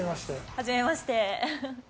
はじめまして。